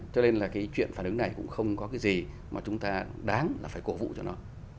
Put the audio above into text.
cho nên là cái chuyện phản ứng này cũng không có cái gì mà chúng ta đáng là phải cổ vụ cho nó